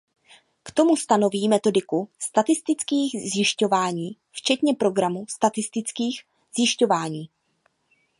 K tomu stanoví metodiku statistických zjišťování včetně programu statistických zjišťování.